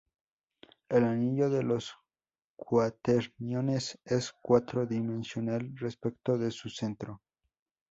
El anillo de los cuaterniones es cuatro-dimensional respecto de su centro.